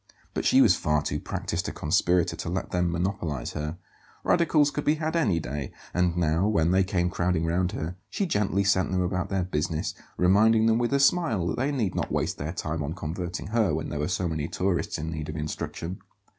But she was far too practised a conspirator to let them monopolize her. Radicals could be had any day; and now, when they came crowding round her, she gently sent them about their business, reminding them with a smile that they need not waste their time on converting her when there were so many tourists in need of instruction.